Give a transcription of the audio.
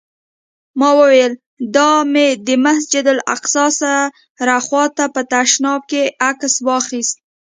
ما وویل: دا مې د مسجداالاقصی سره خوا ته په تشناب کې عکس واخیست.